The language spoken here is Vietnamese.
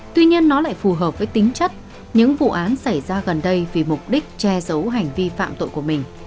tuy nhiên nó lại phù hợp với tính chất những vụ án xảy ra gần đây vì mục đích che giấu hành vi phạm tội của mình